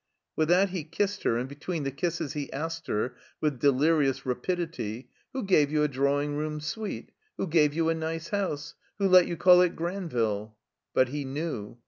With that he kissed her, and between the kisses he asked her, with delirious rapidity: "Who gave you a drawing room stiite? Who gave you a nice house? Who let you call it Granville?" But he knew.